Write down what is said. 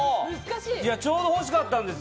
ちょうど欲しかったんです。